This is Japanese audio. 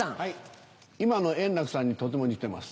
今の円楽さんにとても似てます。